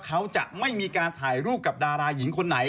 เขาจะไม่มีการถ่ายรูปกับดาราหญิงคนไหน